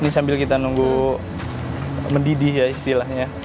ini sambil kita nunggu mendidih ya istilahnya